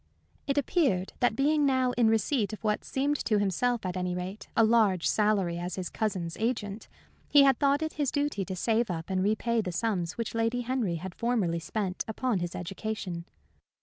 It appeared that being now in receipt of what seemed to himself, at any rate, a large salary as his cousin's agent, he had thought it his duty to save up and repay the sums which Lady Henry had formerly spent upon his education.